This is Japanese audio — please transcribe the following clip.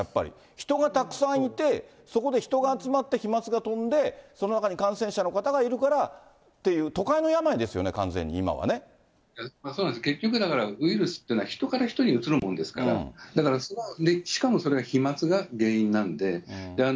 人がたくさんいて、そこで人が集まって、飛まつが飛んでその中に感染者の方がいるからっていう、都会の病ですよね、完全に、今はね。そうなんです、結局だからウイルスというのは人から人にうつるもんですから、だから、しかもそれが飛まつが原因なんで。